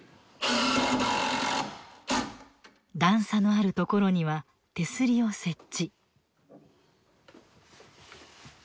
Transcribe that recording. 段差のあるところには手すりを設置。